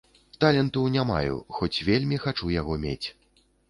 Таленту не маю, хоць вельмі хачу яго мець.